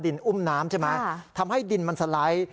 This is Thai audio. ดินอุ้มน้ำใช่ไหมอ่าทำให้ดินมันสลาย